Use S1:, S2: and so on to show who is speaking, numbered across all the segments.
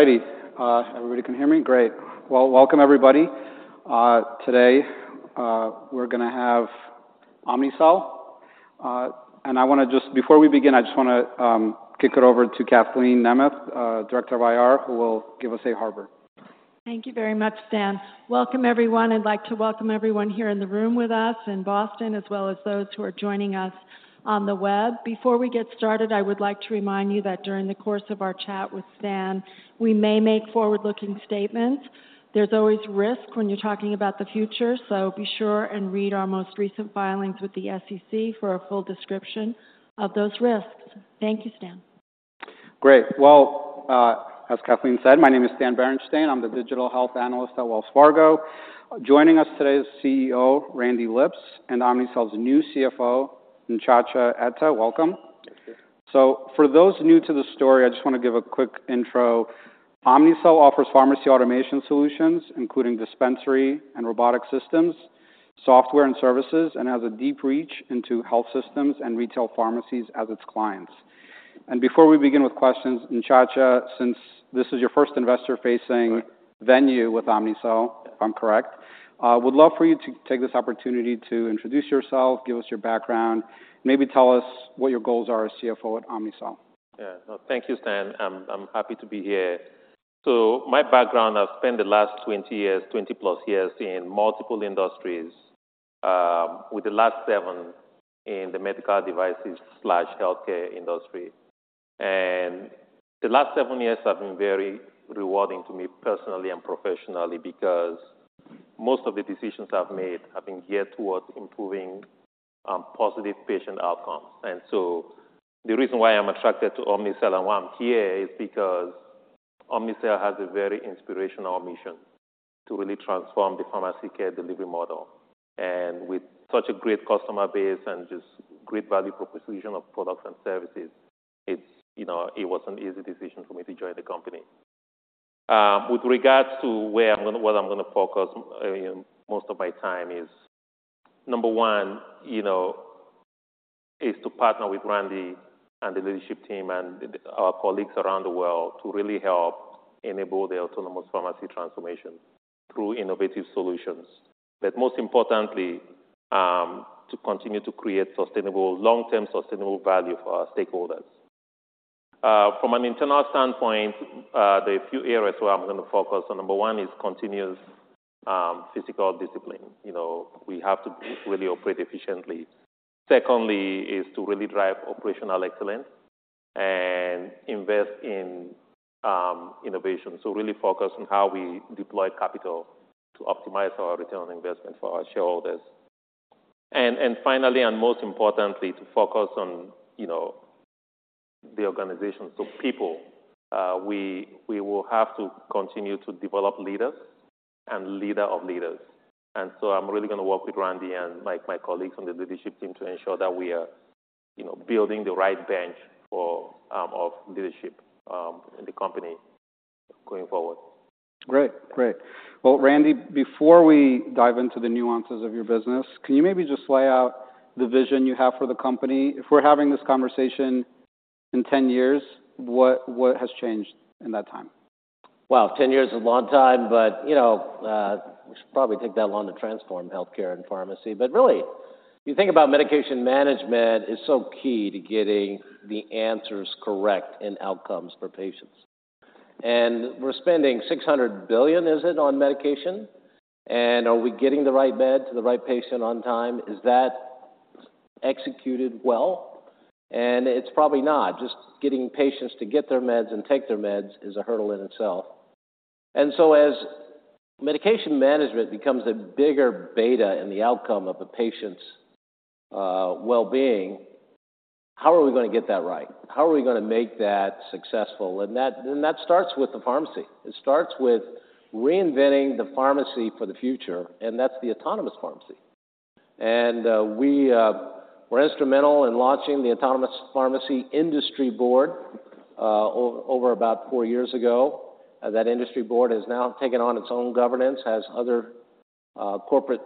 S1: All ready? Everybody can hear me? Great. Well, welcome everybody. Today, we're gonna have Omnicell. And I wanna just, before we begin, I just wanna kick it over to Kathleen Nemeth, Director of IR, who will give us a harbor.
S2: Thank you very much, Stan. Welcome, everyone. I'd like to welcome everyone here in the room with us in Boston, as well as those who are joining us on the web. Before we get started, I would like to remind you that during the course of our chat with Stan, we may make forward-looking statements. There's always risk when you're talking about the future, so be sure and read our most recent filings with the SEC for a full description of those risks. Thank you, Stan.
S1: Great. Well, as Kathleen said, my name is Stan Berenshteyn. I'm the digital health analyst at Wells Fargo. Joining us today is CEO, Randy Lipps, and Omnicell's new CFO, Nchacha Etta. Welcome.
S3: Thank you.
S1: For those new to the story, I just want to give a quick intro. Omnicell offers pharmacy automation solutions, including dispensary and robotic systems, software and services, and has a deep reach into health systems and retail pharmacies as its clients. Before we begin with questions, Nchacha, since this is your first investor-facing venue with Omnicell, if I'm correct, would love for you to take this opportunity to introduce yourself, give us your background, maybe tell us what your goals are as CFO at Omnicell.
S3: Yeah. Thank you, Stan. I'm, I'm happy to be here. So my background, I've spent the last 20 years, 20+ years in multiple industries with the last seven in the medical devices slash healthcare industry. And the last seven years have been very rewarding to me personally and professionally because most of the decisions I've made have been geared towards improving positive patient outcomes. And so the reason why I'm attracted to Omnicell and why I'm here is because Omnicell has a very inspirational mission to really transform the pharmacy care delivery model. And with such a great customer base and just great value proposition of products and services, it's, you know, it was an easy decision for me to join the company. With regards to what I'm gonna focus most of my time is, number one, you know, is to partner with Randy and the leadership team and our colleagues around the world to really help enable the autonomous pharmacy transformation through innovative solutions. But most importantly, to continue to create sustainable long-term, sustainable value for our stakeholders. From an internal standpoint, there are a few areas where I'm gonna focus on. Number one is continuous fiscal discipline. You know, we have to really operate efficiently. Secondly, is to really drive operational excellence and invest in innovation. So really focus on how we deploy capital to optimize our return on investment for our shareholders. And finally, and most importantly, to focus on, you know, the organization. So people, we will have to continue to develop leaders and leader of leaders. And so I'm really gonna work with Randy and my colleagues on the leadership team to ensure that we are, you know, building the right bench of leadership in the company going forward.
S1: Great. Great. Well, Randy, before we dive into the nuances of your business, can you maybe just lay out the vision you have for the company? If we're having this conversation in 10 years, what, what has changed in that time?
S4: Well, 10 years is a long time, but, you know, it should probably take that long to transform healthcare and pharmacy. But really, if you think about medication management is so key to getting the answers correct and outcomes for patients. And we're spending $600 billion, is it, on medication? And are we getting the right med to the right patient on time? Is that executed well? And it's probably not. Just getting patients to get their meds and take their meds is a hurdle in itself. And so as medication management becomes a bigger beta in the outcome of a patient's well-being, how are we gonna get that right? How are we gonna make that successful? And that, and that starts with the pharmacy. It starts with reinventing the pharmacy for the future, and that's the autonomous pharmacy. We were instrumental in launching the Autonomous Pharmacy Advisory Board over about four years ago. That industry board has now taken on its own governance, has other corporate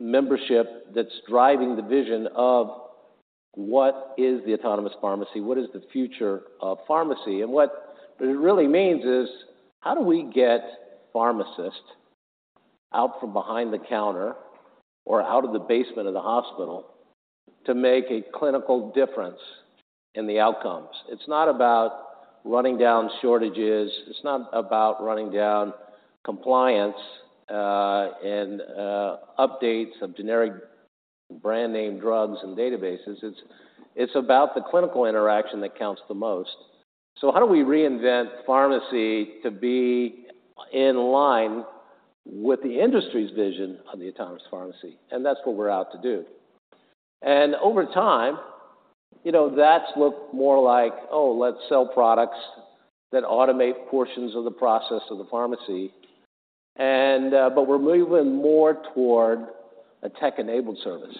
S4: membership that's driving the vision of what is the autonomous pharmacy, what is the future of pharmacy? And what it really means is, how do we get pharmacists out from behind the counter or out of the basement of the hospital to make a clinical difference in the outcomes? It's not about running down shortages, it's not about running down compliance, and updates of generic brand-name drugs and databases. It's about the clinical interaction that counts the most. So how do we reinvent pharmacy to be in line with the industry's vision of the autonomous pharmacy? And that's what we're out to do. Over time, you know, that's looked more like, oh, let's sell products that automate portions of the process of the pharmacy and. But we're moving more toward a tech-enabled service.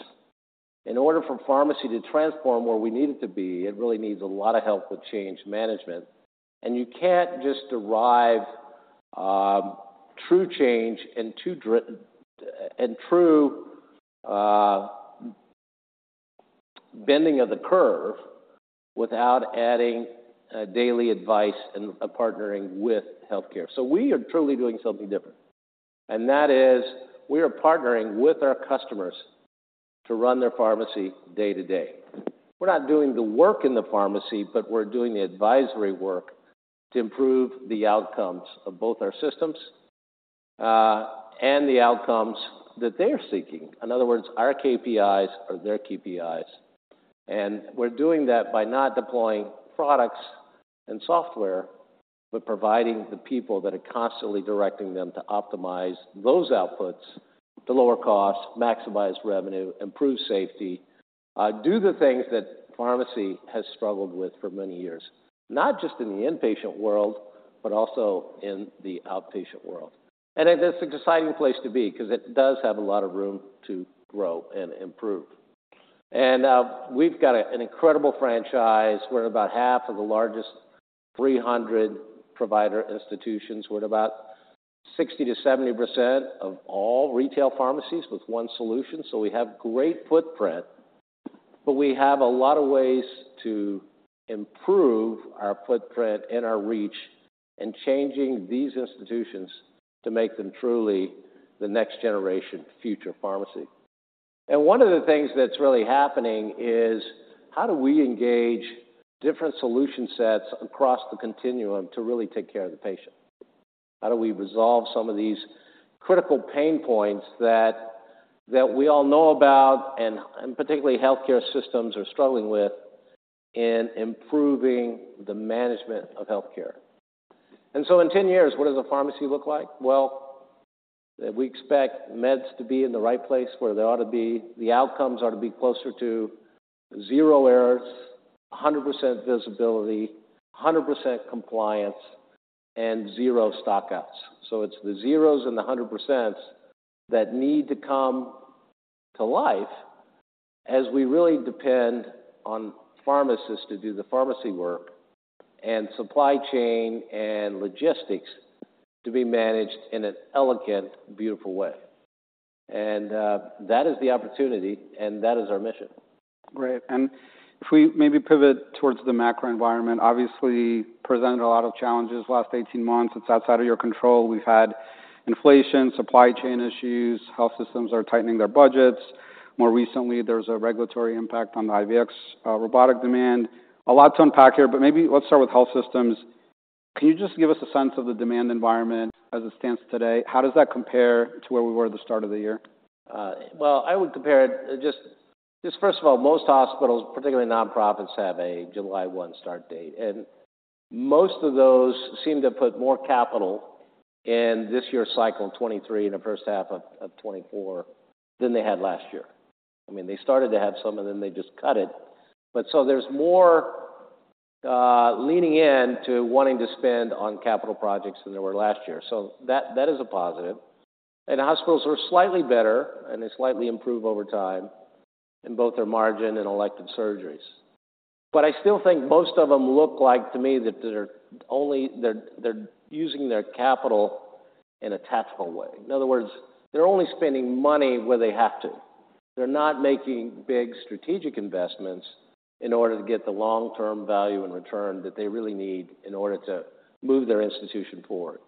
S4: In order for pharmacy to transform where we need it to be, it really needs a lot of help with change management, and you can't just derive true change and true bending of the curve without adding daily advice and partnering with healthcare. So we are truly doing something different, and that is we are partnering with our customers to run their pharmacy day-to-day. We're not doing the work in the pharmacy, but we're doing the advisory work to improve the outcomes of both our systems and the outcomes that they are seeking. In other words, our KPIs are their KPIs, and we're doing that by not deploying products and software, but providing the people that are constantly directing them to optimize those outputs, to lower costs, maximize revenue, improve safety, do the things that pharmacy has struggled with for many years, not just in the inpatient world, but also in the outpatient world. It is an exciting place to be because it does have a lot of room to grow and improve. We've got an incredible franchise. We're about half of the largest 300 provider institutions. We're at about 60%-70% of all retail pharmacies with one solution. So we have great footprint, but we have a lot of ways to improve our footprint and our reach and changing these institutions to make them truly the next generation future pharmacy. One of the things that's really happening is: how do we engage different solution sets across the continuum to really take care of the patient? How do we resolve some of these critical pain points that, that we all know about, and, and particularly healthcare systems are struggling with in improving the management of healthcare? So in 10 years, what does a pharmacy look like? Well, we expect meds to be in the right place where they ought to be. The outcomes are to be closer to zero errors, 100% visibility, 100% compliance, and zero stockouts. So it's the zeros and the 100%s that need to come to life as we really depend on pharmacists to do the pharmacy work and supply chain and logistics to be managed in an elegant, beautiful way. That is the opportunity, and that is our mission.
S1: Great. And if we maybe pivot towards the macro environment, obviously presented a lot of challenges the last 18 months. It's outside of your control. We've had inflation, supply chain issues, health systems are tightening their budgets. More recently, there's a regulatory impact on the IVX robotic demand. A lot to unpack here, but maybe let's start with health systems. Can you just give us a sense of the demand environment as it stands today? How does that compare to where we were at the start of the year?
S4: Well, I would compare it just first of all, most hospitals, particularly nonprofits, have a July 1 start date, and most of those seem to put more capital in this year's cycle, 2023 and the first half of 2024, than they had last year. I mean, they started to have some, and then they just cut it. But so there's more leaning in to wanting to spend on capital projects than there were last year. So that is a positive. And hospitals are slightly better, and they slightly improve over time in both their margin and elective surgeries. But I still think most of them look like, to me, that they're only... They're using their capital in a tactical way. In other words, they're only spending money where they have to. They're not making big strategic investments in order to get the long-term value and return that they really need in order to move their institution forward.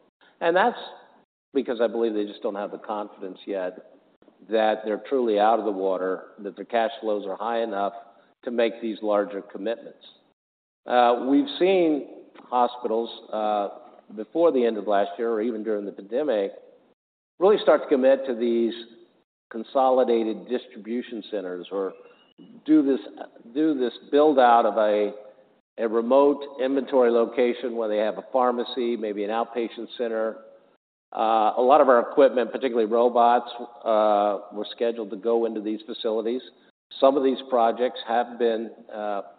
S4: That's because I believe they just don't have the confidence yet that they're truly out of the water, that their cash flows are high enough to make these larger commitments. We've seen hospitals before the end of last year or even during the pandemic, really start to commit to these consolidated distribution centers or do this, do this build-out of a remote inventory location where they have a pharmacy, maybe an outpatient center. A lot of our equipment, particularly robots, were scheduled to go into these facilities. Some of these projects have been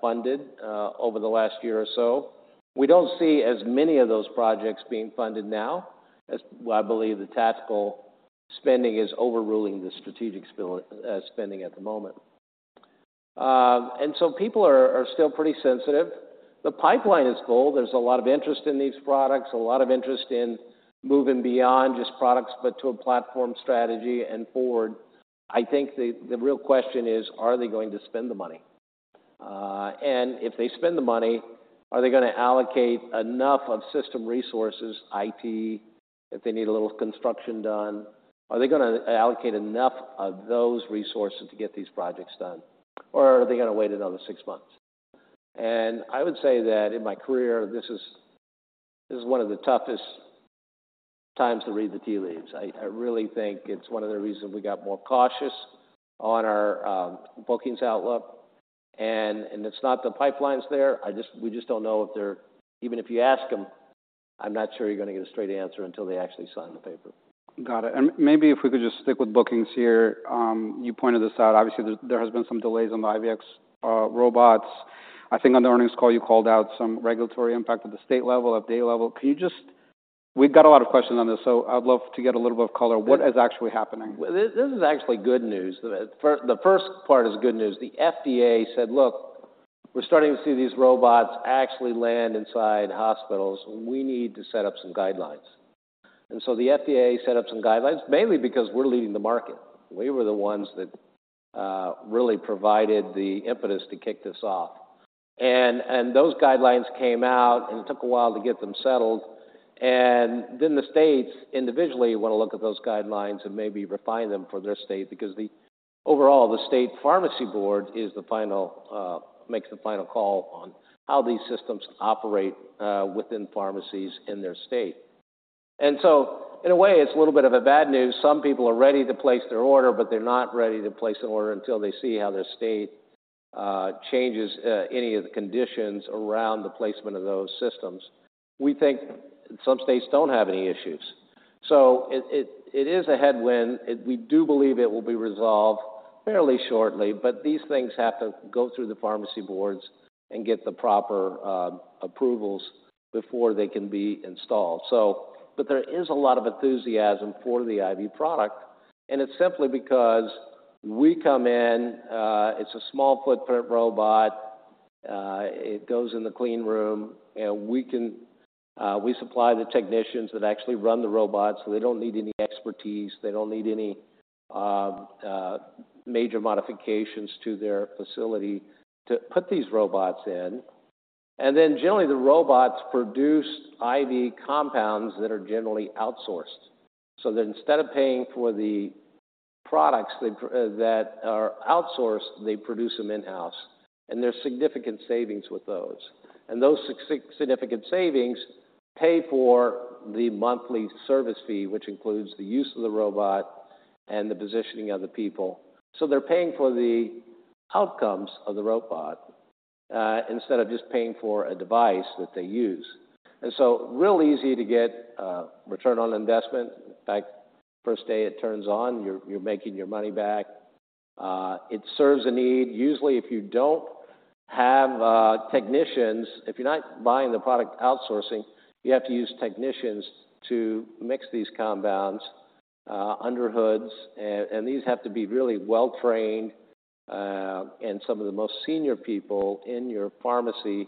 S4: funded over the last year or so. We don't see as many of those projects being funded now, as I believe the tactical spending is overruling the strategic spending at the moment. And so people are still pretty sensitive. The pipeline is full. There's a lot of interest in these products, a lot of interest in moving beyond just products, but to a platform strategy and forward. I think the real question is: Are they going to spend the money? And if they spend the money, are they gonna allocate enough of system resources, IT, if they need a little construction done, are they gonna allocate enough of those resources to get these projects done, or are they gonna wait another six months? And I would say that in my career, this is one of the toughest times to read the tea leaves. I really think it's one of the reasons we got more cautious on our bookings outlook, and it's not the pipeline's there. We just don't know if they're... Even if you ask them, I'm not sure you're going to get a straight answer until they actually sign the paper.
S1: Got it. Maybe if we could just stick with bookings here. You pointed this out. Obviously, there has been some delays on the IVX robots. I think on the earnings call, you called out some regulatory impact at the state level, update level. Can you just. We've got a lot of questions on this, so I'd love to get a little bit of color. What is actually happening?
S4: Well, this is actually good news. The first, the first part is good news. The FDA said, "Look, we're starting to see these robots actually land inside hospitals. We need to set up some guidelines." And so the FDA set up some guidelines, mainly because we're leading the market. We were the ones that really provided the impetus to kick this off. And those guidelines came out, and it took a while to get them settled. And then the states individually want to look at those guidelines and maybe refine them for their state, because the overall, the state pharmacy board is the final makes the final call on how these systems operate within pharmacies in their state. And so in a way, it's a little bit of a bad news. Some people are ready to place their order, but they're not ready to place an order until they see how their state changes any of the conditions around the placement of those systems. We think some states don't have any issues, so it is a headwind. We do believe it will be resolved fairly shortly, but these things have to go through the pharmacy boards and get the proper approvals before they can be installed, so. But there is a lot of enthusiasm for the IV product, and it's simply because we come in, it's a small footprint robot. It goes in the clean room, and we can, we supply the technicians that actually run the robots, so they don't need any expertise. They don't need any major modifications to their facility to put these robots in. Generally, the robots produce IV compounds that are generally outsourced, so that instead of paying for the products that are outsourced, they produce them in-house, and there's significant savings with those. Those significant savings pay for the monthly service fee, which includes the use of the robot and the positioning of the people. They're paying for the outcomes of the robot instead of just paying for a device that they use. It's real easy to get a return on investment. In fact, first day it turns on, you're making your money back. It serves a need. Usually, if you don't have technicians, if you're not buying the product outsourcing, you have to use technicians to mix these compounds under hoods. These have to be really well-trained and some of the most senior people in your pharmacy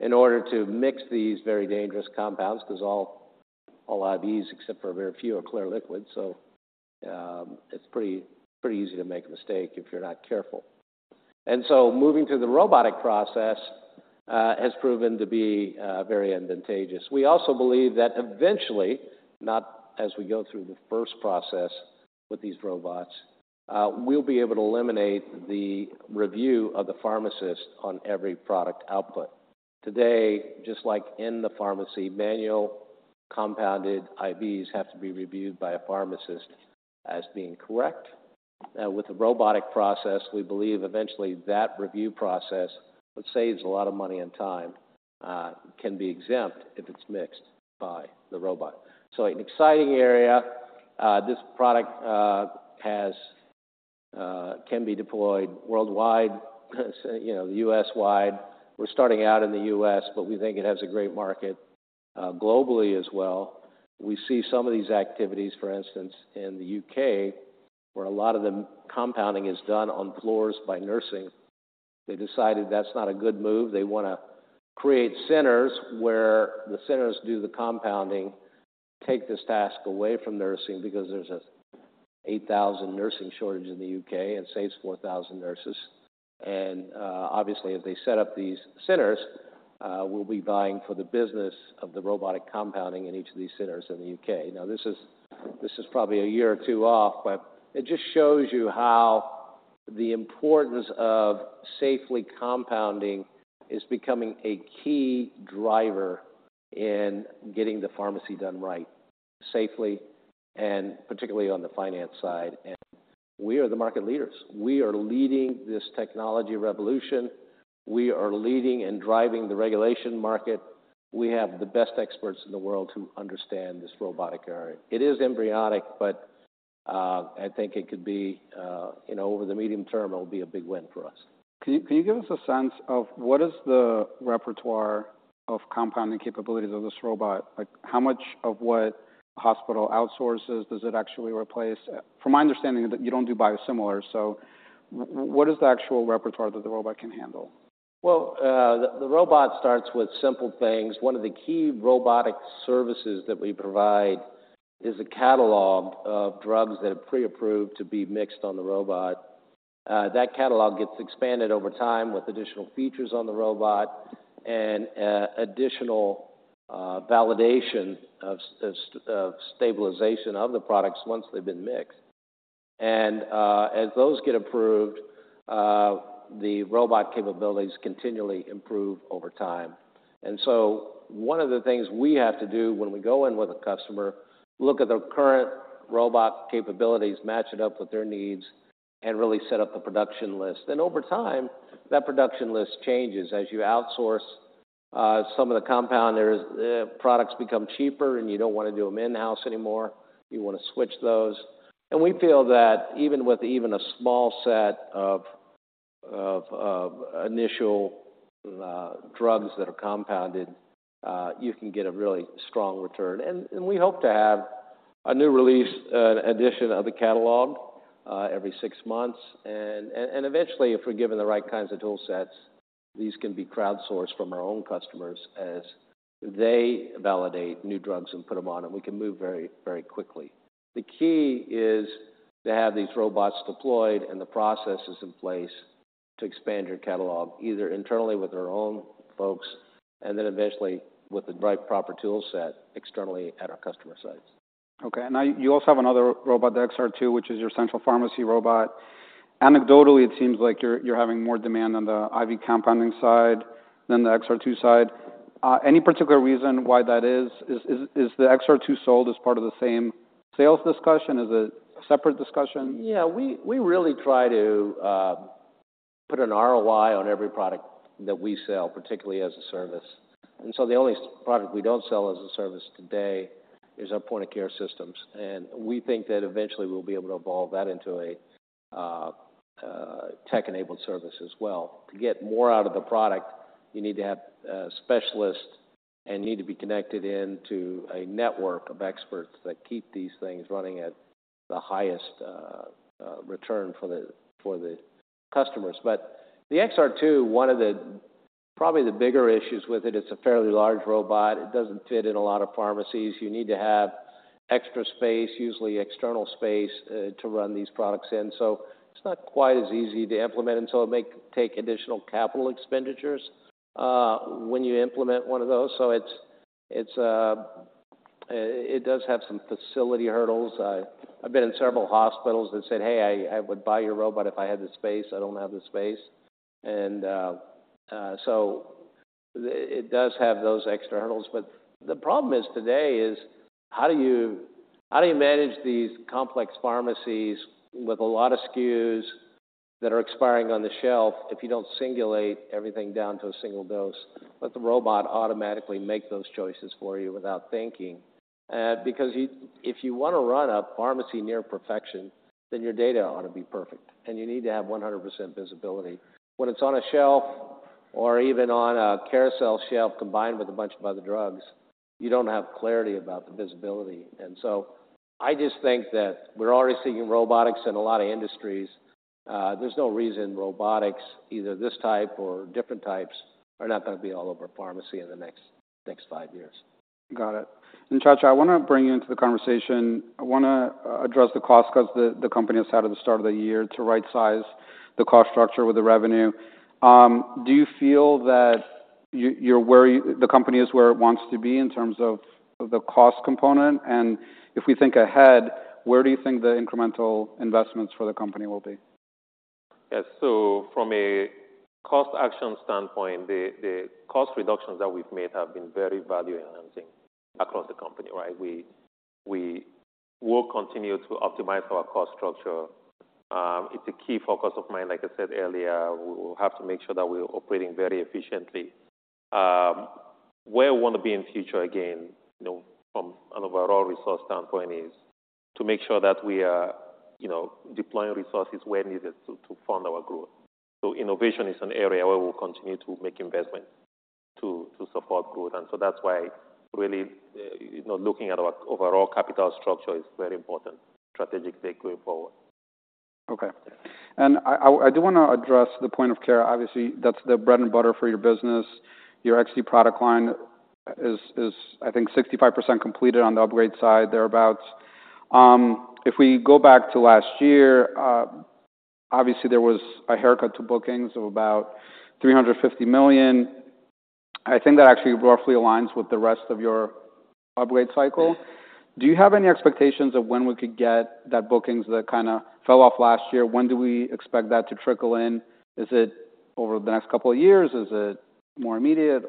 S4: in order to mix these very dangerous compounds. Because all IVs, except for a very few, are clear liquids, so it's pretty easy to make a mistake if you're not careful. And so moving to the robotic process has proven to be very advantageous. We also believe that eventually, not as we go through the first process with these robots, we'll be able to eliminate the review of the pharmacist on every product output. Today, just like in the pharmacy, manual compounded IVs have to be reviewed by a pharmacist as being correct. With the robotic process, we believe eventually that review process, which saves a lot of money and time, can be exempt if it's mixed by the robot. So an exciting area, this product has can be deployed worldwide. You know, U.S.-wide. We're starting out in the U.S., but we think it has a great market globally as well. We see some of these activities, for instance, in the U.K., where a lot of the compounding is done on floors by nursing. They decided that's not a good move. They wanna create centers where the centers do the compounding, take this task away from nursing because there's a 8,000 nursing shortage in the U.K. and saves 4,000 nurses. And obviously, if they set up these centers, we'll be vying for the business of the robotic compounding in each of these centers in the U.K. Now, this is, this is probably a year or two off, but it just shows you how the importance of safely compounding is becoming a key driver in getting the pharmacy done right, safely, and particularly on the finance side. We are the market leaders. We are leading this technology revolution. We are leading and driving the regulation market. We have the best experts in the world who understand this robotic area. It is embryonic, but I think it could be, you know, over the medium term, it'll be a big win for us.
S1: Can you give us a sense of what is the repertoire of compounding capabilities of this robot? Like, how much of what hospital outsources does it actually replace? From my understanding, that you don't do biosimilar, so what is the actual repertoire that the robot can handle?
S4: Well, the robot starts with simple things. One of the key robotic services that we provide is a catalog of drugs that are pre-approved to be mixed on the robot. That catalog gets expanded over time with additional features on the robot and additional validation of stabilization of the products once they've been mixed. And as those get approved, the robot capabilities continually improve over time. And so one of the things we have to do when we go in with a customer, look at their current robot capabilities, match it up with their needs, and really set up the production list. And over time, that production list changes. As you outsource, some of the compounders products become cheaper, and you don't want to do them in-house anymore. You wanna switch those. We feel that even with a small set of initial drugs that are compounded, you can get a really strong return. And we hope to have a new release edition of the catalog every six months. And eventually, if we're given the right kinds of tool sets, these can be crowdsourced from our own customers as they validate new drugs and put them on, and we can move very, very quickly. The key is to have these robots deployed and the processes in place to expand your catalog, either internally with our own folks, and then eventually, with the right proper tool set, externally at our customer sites.
S1: Okay, now you also have another robot, the XR2, which is your central pharmacy robot. Anecdotally, it seems like you're having more demand on the IV compounding side than the XR2 side. Any particular reason why that is? Is the XR2 sold as part of the same sales discussion? Is it a separate discussion?
S4: Yeah, we, we really try to put an ROI on every product that we sell, particularly as a service. And so the only product we don't sell as a service today is our point-of-care systems, and we think that eventually we'll be able to evolve that into a tech-enabled service as well. To get more out of the product, you need to have specialists and need to be connected into a network of experts that keep these things running at the highest return for the customers. But the XR2, one of the bigger issues with it, it's a fairly large robot. It doesn't fit in a lot of pharmacies. You need to have extra space, usually external space, to run these products in, so it's not quite as easy to implement, and so it may take additional capital expenditures, when you implement one of those. So it's... It does have some facility hurdles. I've been in several hospitals that said, "Hey, I would buy your robot if I had the space. I don't have the space." And, so it does have those extra hurdles, but the problem is today is how do you - how do you manage these complex pharmacies with a lot of SKUs that are expiring on the shelf if you don't singulate everything down to a single dose, let the robot automatically make those choices for you without thinking? Because if you want to run a pharmacy near perfection, then your data ought to be perfect, and you need to have 100% visibility. When it's on a shelf or even on a carousel shelf combined with a bunch of other drugs, you don't have clarity about the visibility. And so I just think that we're already seeing robotics in a lot of industries. There's no reason robotics, either this type or different types, are not going to be all over pharmacy in the next five years.
S1: Got it. And, Nchacha, I want to bring you into the conversation. I want to address the cost because the company has had at the start of the year to right-size the cost structure with the revenue. Do you feel that you, you're where you—the company is where it wants to be in terms of the cost component? And if we think ahead, where do you think the incremental investments for the company will be?
S3: Yes, so from a cost action standpoint, the cost reductions that we've made have been very value-enhancing across the company, right? We will continue to optimize our cost structure. It's a key focus of mine. Like I said earlier, we will have to make sure that we're operating very efficiently. Where we want to be in the future, again, you know, from an overall resource standpoint, is to make sure that we are, you know, deploying resources where needed to fund our growth. So innovation is an area where we'll continue to make investments to support growth, and so that's why really, you know, looking at our overall capital structure is very important strategically going forward.
S1: Okay. I do want to address the point of care. Obviously, that's the bread and butter for your business. Your XT product line is, I think, 65% completed on the upgrade side, thereabout. If we go back to last year, obviously there was a haircut to bookings of about $350 million. I think that actually roughly aligns with the rest of your upgrade cycle. Do you have any expectations of when we could get that bookings that kind of fell off last year? When do we expect that to trickle in? Is it over the next couple of years? Is it more immediate?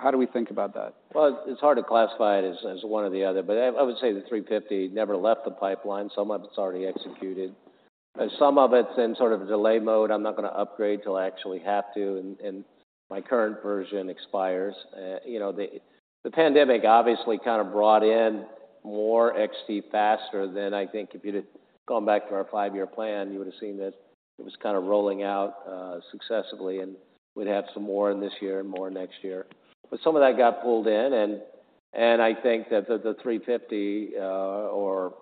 S1: How do we think about that?
S4: Well, it's hard to classify it as one or the other, but I would say the $350 never left the pipeline. Some of it's already executed, and some of it's in sort of delay mode. "I'm not going to upgrade until I actually have to, and my current version expires." You know, the pandemic obviously kind of brought in more XT faster than I think if you'd have gone back to our five-year plan, you would have seen that it was kind of rolling out successively, and we'd have some more in this year and more next year. But some of that got pulled in, and I think that the $350 or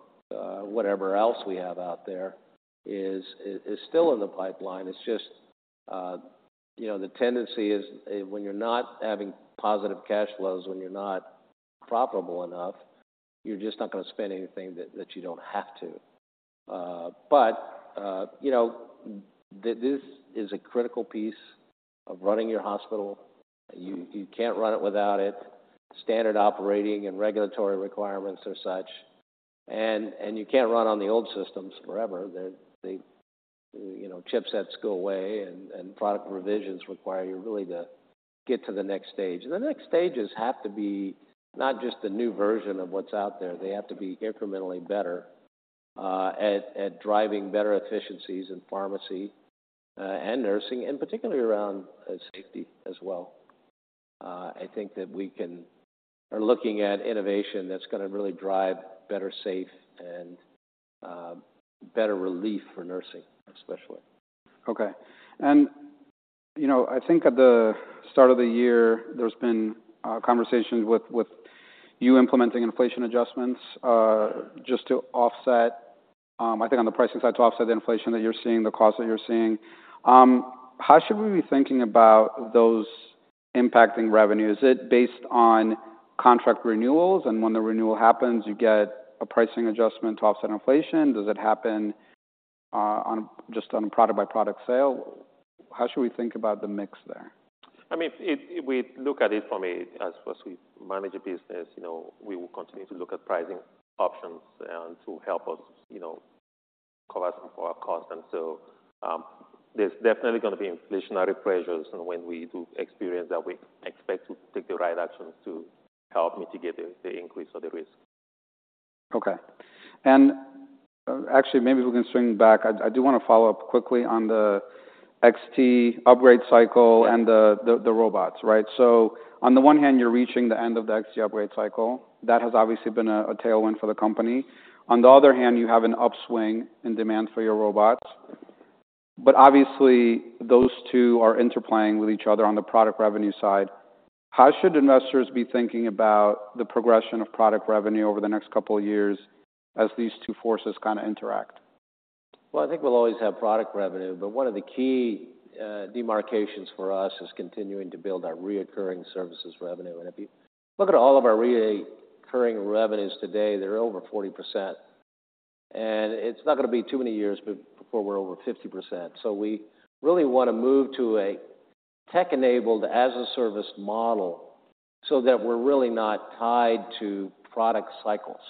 S4: whatever else we have out there is still in the pipeline. It's just, you know, the tendency is when you're not having positive cash flows, when you're not profitable enough, you're just not going to spend anything that you don't have to. But, you know, this is a critical piece of running your hospital. You can't run it without it. Standard operating and regulatory requirements are such, and you can't run on the old systems forever. They're, you know, chipsets go away, and product revisions require you really to get to the next stage. And the next stages have to be not just a new version of what's out there. They have to be incrementally better at driving better efficiencies in pharmacy and nursing, and particularly around safety as well. I think that we can... Are looking at innovation that's going to really drive better, safe and, better relief for nursing, especially.
S1: Okay. And, you know, I think at the start of the year, there's been conversations with you implementing inflation adjustments. I think on the pricing side to offset the inflation that you're seeing, the costs that you're seeing. How should we be thinking about those impacting revenue? Is it based on contract renewals, and when the renewal happens, you get a pricing adjustment to offset inflation? Does it happen on just a product-by-product sale? How should we think about the mix there?
S3: I mean, if we look at it from a, as we manage a business, you know, we will continue to look at pricing options and to help us, you know, cover some of our costs. And so, there's definitely gonna be inflationary pressures, and when we do experience that, we expect to take the right actions to help mitigate the increase or the risk.
S1: Okay. And actually, maybe we can swing back. I do wanna follow up quickly on the XT upgrade cycle.
S3: Yeah.
S1: and the robots, right? So on the one hand, you're reaching the end of the XT upgrade cycle. That has obviously been a tailwind for the company. On the other hand, you have an upswing in demand for your robots, but obviously, those two are interplaying with each other on the product revenue side. How should investors be thinking about the progression of product revenue over the next couple of years as these two forces kind of interact?
S4: Well, I think we'll always have product revenue, but one of the key demarcations for us is continuing to build our recurring services revenue. And if you look at all of our recurring revenues today, they're over 40%, and it's not gonna be too many years before we're over 50%. So we really wanna move to a tech-enabled, as-a-service model so that we're really not tied to product cycles.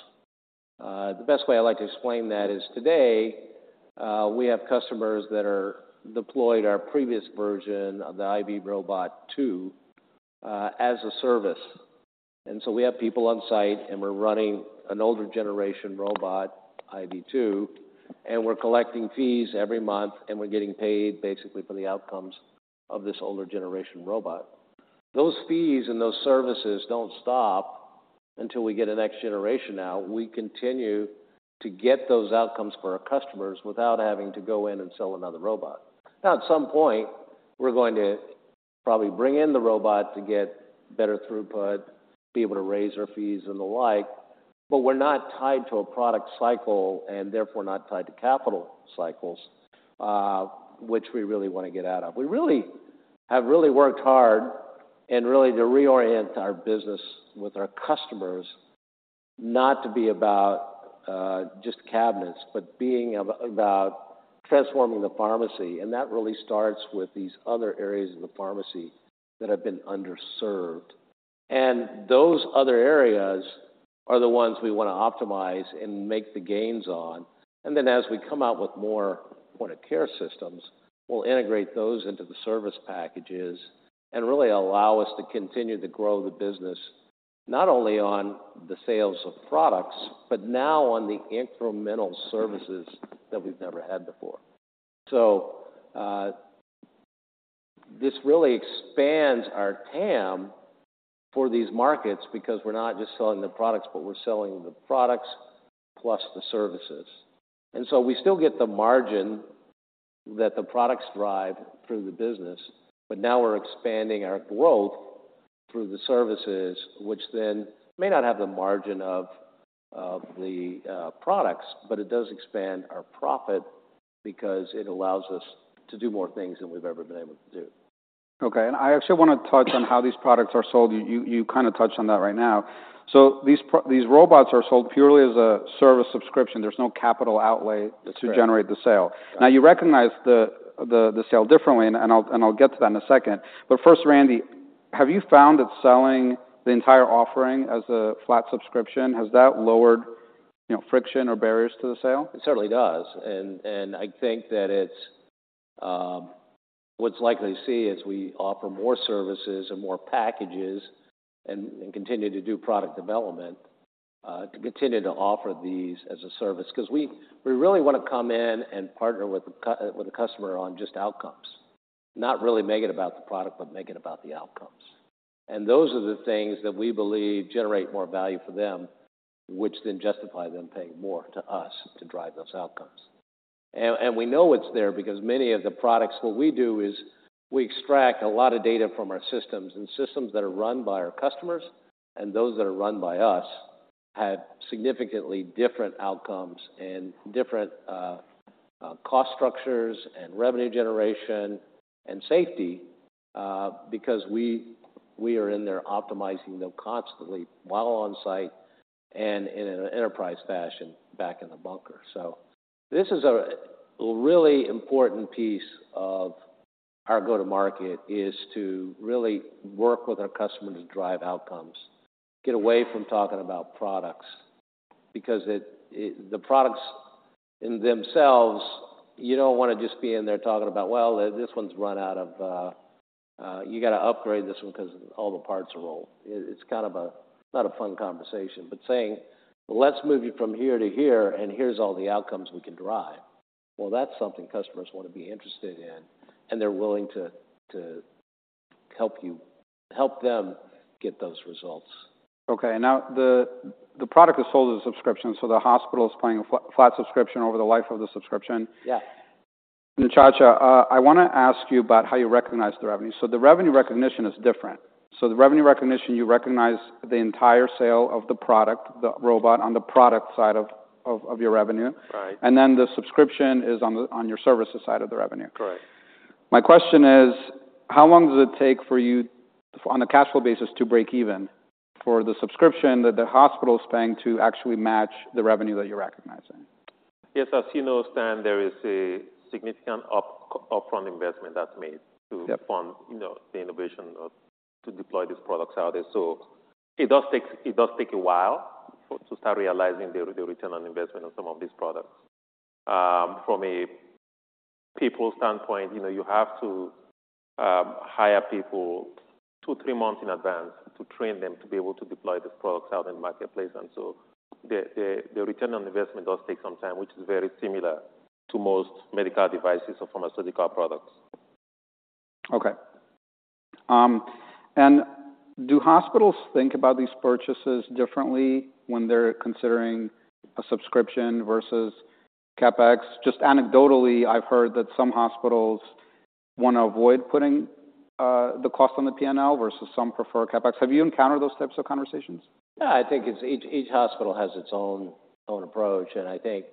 S4: The best way I like to explain that is, today, we have customers that are deployed our previous version of the IV Robot 2 as a service. And so we have people on site, and we're running an older generation robot, IV 2, and we're collecting fees every month, and we're getting paid basically for the outcomes of this older generation robot. Those fees and those services don't stop until we get a next generation out. We continue to get those outcomes for our customers without having to go in and sell another robot. Now, at some point, we're going to probably bring in the robot to get better throughput, be able to raise our fees and the like, but we're not tied to a product cycle and therefore not tied to capital cycles, which we really wanna get out of. We really have really worked hard and really to reorient our business with our customers, not to be about just cabinets, but being about transforming the pharmacy, and that really starts with these other areas of the pharmacy that have been underserved. Those other areas are the ones we wanna optimize and make the gains on. And then as we come out with more point-of-care systems, we'll integrate those into the service packages and really allow us to continue to grow the business, not only on the sales of products, but now on the incremental services that we've never had before. So, this really expands our TAM for these markets because we're not just selling the products, but we're selling the products plus the services. And so we still get the margin that the products drive through the business, but now we're expanding our growth through the services, which then may not have the margin of the products, but it does expand our profit because it allows us to do more things than we've ever been able to do.
S1: Okay, I actually wanna touch on how these products are sold. You kind of touched on that right now. These robots are sold purely as a service subscription. There's no capital outlay-
S4: That's right.
S1: - to generate the sale. Now, you recognize the sale differently, and I'll get to that in a second. But first, Randy, have you found that selling the entire offering as a flat subscription, has that lowered, you know, friction or barriers to the sale?
S4: It certainly does, and I think that it's What we're likely to see as we offer more services and more packages and continue to do product development to continue to offer these as a service, 'cause we really wanna come in and partner with the cu- with the customer on just outcomes. Not really make it about the product, but make it about the outcomes. And those are the things that we believe generate more value for them, which then justify them paying more to us to drive those outcomes. We know it's there because many of the products, what we do is we extract a lot of data from our systems, and systems that are run by our customers and those that are run by us, have significantly different outcomes and different cost structures and revenue generation and safety, because we are in there optimizing them constantly while on site and in an enterprise fashion back in the bunker. So this is a really important piece of our go-to-market, is to really work with our customers to drive outcomes. Get away from talking about products because it the products in themselves, you don't wanna just be in there talking about, "Well, this one's run out of. You gotta upgrade this one 'cause all the parts are old." It's kind of not a fun conversation, but saying, "Let's move you from here to here, and here's all the outcomes we can derive," well, that's something customers want to be interested in, and they're willing to help you, help them get those results.
S1: Okay, now the product is sold as a subscription, so the hospital is paying a flat subscription over the life of the subscription.
S4: Yeah.
S1: Nchacha, I wanna ask you about how you recognize the revenue. So the revenue recognition is different. So the revenue recognition, you recognize the entire sale of the product, the robot, on the product side of your revenue.
S3: Right.
S1: And then the subscription is on your services side of the revenue.
S3: Correct.
S1: My question is, how long does it take for you, on a cash flow basis, to break even for the subscription that the hospital is paying to actually match the revenue that you're recognizing?
S3: Yes, as you know, Stan, there is a significant upfront investment that's made-
S1: Yep
S3: to fund, you know, the innovation of, to deploy these products out there. So it does take a while to start realizing the return on investment on some of these products. From a people standpoint, you know, you have to hire people two to three months in advance to train them to be able to deploy these products out in the marketplace. And so the return on investment does take some time, which is very similar to most medical devices or pharmaceutical products.
S1: Okay. And do hospitals think about these purchases differently when they're considering a subscription versus CapEx? Just anecdotally, I've heard that some hospitals wanna avoid putting the cost on the P&L versus some prefer CapEx. Have you encountered those types of conversations?
S4: I think it's each hospital has its own approach, and I think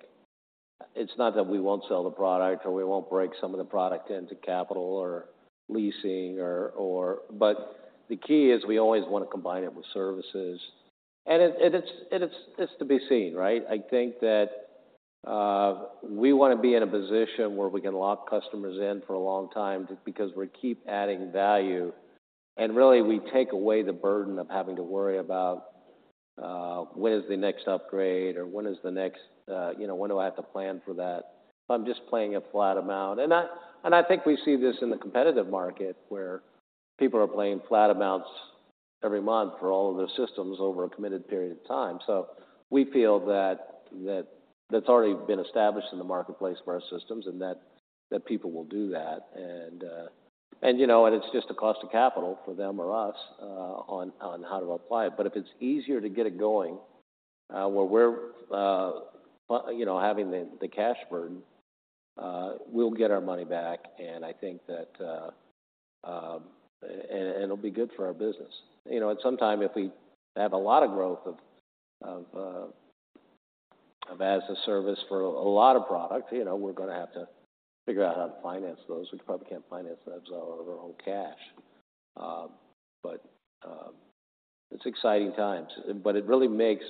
S4: it's not that we won't sell the product or we won't break some of the product into capital or leasing. But the key is we always want to combine it with services. And it's to be seen, right? I think that we wanna be in a position where we can lock customers in for a long time because we keep adding value, and really, we take away the burden of having to worry about when is the next upgrade or when is the next, you know, when do I have to plan for that? I'm just paying a flat amount. And I think we see this in the competitive market, where people are paying flat amounts every month for all of their systems over a committed period of time. So we feel that that's already been established in the marketplace for our systems and that people will do that. And, you know, it's just a cost of capital for them or us, on how to apply it. But if it's easier to get it going, where we're, you know, having the cash burden, we'll get our money back, and I think that it'll be good for our business. You know, at some time, if we have a lot of growth of as a service for a lot of products, you know, we're gonna have to figure out how to finance those. We probably can't finance those out of our own cash. But it's exciting times, but it really makes...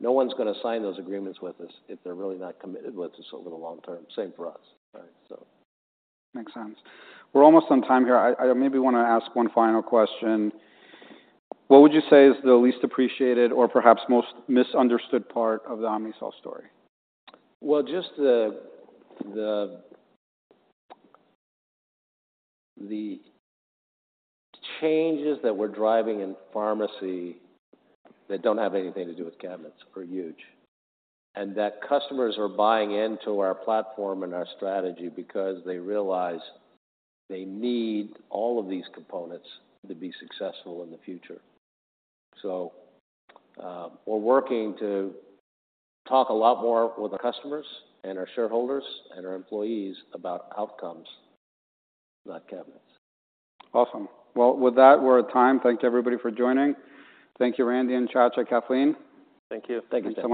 S4: No one's gonna sign those agreements with us if they're really not committed with us over the long term. Same for us. Right, so.
S1: Makes sense. We're almost on time here. I maybe want to ask one final question. What would you say is the least appreciated or perhaps most misunderstood part of the Omnicell story?
S4: Well, just the changes that we're driving in pharmacy that don't have anything to do with cabinets are huge, and that customers are buying into our platform and our strategy because they realize they need all of these components to be successful in the future. So, we're working to talk a lot more with our customers and our shareholders and our employees about outcomes, not cabinets.
S1: Awesome. Well, with that, we're at time. Thank you, everybody, for joining. Thank you, Randy, Nchacha, Kathleen.
S3: Thank you.
S4: Thank you.
S1: Thanks so much.